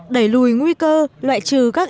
đẩy lùi nguy cơ loại trừ các